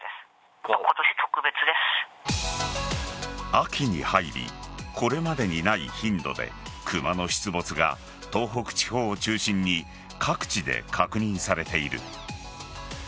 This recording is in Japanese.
秋に入りこれまでにない頻度でクマの出没が東北地方を中心に各地で確認されている。